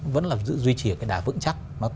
vẫn là duy trì đà vững chắc